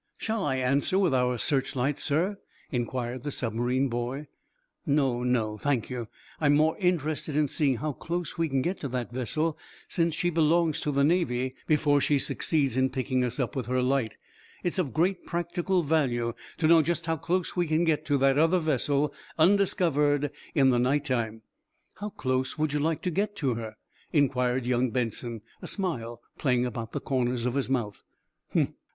"Shall I answer with our searchlight, sir?" inquired the submarine boy. "No, no, thank you. I'm more interested in seeing how close we can get to that vessel, since she belongs to the Navy, before she succeeds in picking us up with her light. It's of great practical value to know just how close we can get to that other vessel, undiscovered, in the night time." "How close would you like to get to her?" inquired young Benson, a smile playing about the corners of his mouth. "Humph!